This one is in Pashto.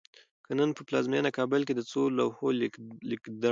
که نن په پلازمېنه کابل کې د څو لوحو لیکدړو